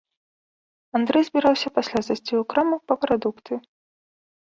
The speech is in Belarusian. Андрэй збіраўся пасля зайсці ў краму па прадукты.